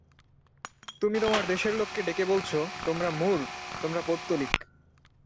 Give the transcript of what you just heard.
তুমি তোমার দেশের লোককে ডেকে বলছ–তোমরা মূঢ়, তোমরা পৌত্তলিক।